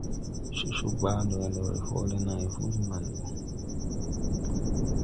Cocoo baa mo we no, ndo re hoole nãy huulí maŋ ɓo.